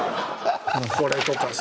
これとかさ。